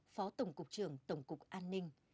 phó tổng cục trưởng tổng cục an ninh